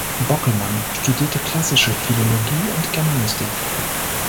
Bockelmann studierte klassische Philologie und Germanistik.